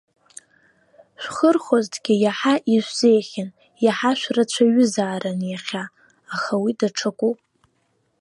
Шәхырхәозҭгьы иаҳа ишәзеиӷьын, иаҳа шәрацәаҩызаарын иахьа, аха уи даҽакуп.